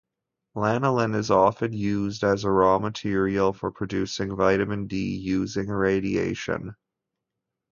Lanolin is often used as a raw material for producing Vitamin D using irradiation.